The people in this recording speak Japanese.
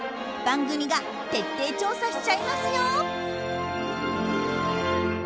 番組が徹底調査しちゃいますよ。